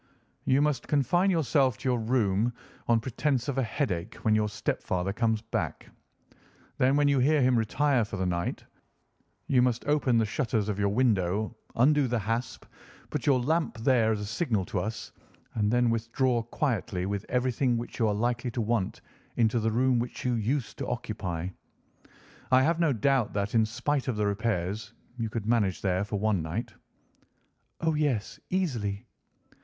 "You must confine yourself to your room, on pretence of a headache, when your stepfather comes back. Then when you hear him retire for the night, you must open the shutters of your window, undo the hasp, put your lamp there as a signal to us, and then withdraw quietly with everything which you are likely to want into the room which you used to occupy. I have no doubt that, in spite of the repairs, you could manage there for one night." "Oh, yes, easily."